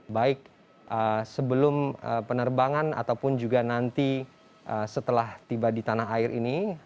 baik sebelum penerbangan ataupun juga nanti setelah tiba di tanah air ini